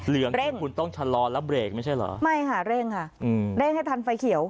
เร่งคุณต้องชะลอแล้วเบรกไม่ใช่เหรอไม่ค่ะเร่งค่ะอืมเร่งให้ทันไฟเขียว